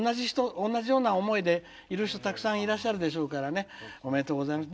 同じような思いでいる人たくさんいらっしゃるでしょうからねおめでとうございます。